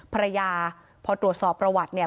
ภรรยาพอตรวจสอบประวัติเนี่ย